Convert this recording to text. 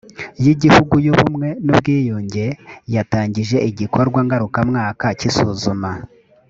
y igihugu y ubumwe n ubwiyunge yatangije igikorwa ngarukamwaka cy isuzuma